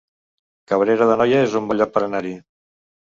Cabrera d'Anoia es un bon lloc per anar-hi